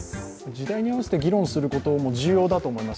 時代に合わせて議論することも重要だと思います。